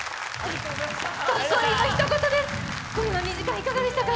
今夜２時間いかがでしたか？